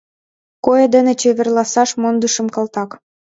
— Куэ дене чеверласаш мондышым, калтак!